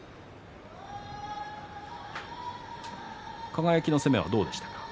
輝の攻めはどうでしたか。